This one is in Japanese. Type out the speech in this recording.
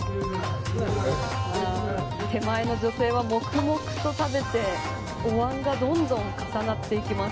手前の女性は黙々と食べておわんがどんどん重なっていきます。